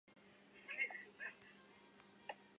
要不然就要到周四